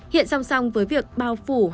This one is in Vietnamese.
hiện song song với việc bao phủ